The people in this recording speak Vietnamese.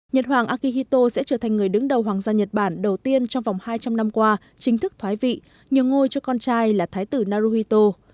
nhật hoàng akihito sẽ trở thành người đứng đầu hoàng gia nhật bản đầu tiên trong vòng hai trăm linh năm qua chính thức thoái vị nhường ngôi cho con trai là thái tử naruhito